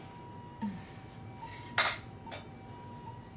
うん。